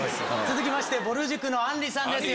続きましてぼる塾のあんりさんです。